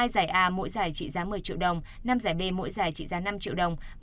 hai giải a mỗi giải trị giá một mươi triệu đồng năm giải b mỗi giải trị giá năm triệu đồng